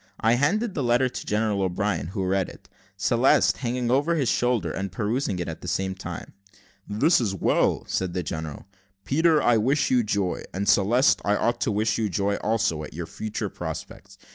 I handed the letter to General O'Brien, who read it; Celeste hanging over his shoulder, and perusing it at the same time. "This is well," said the general. "Peter, I wish you joy; and, Celeste, I ought to wish you joy also, at your future prospects.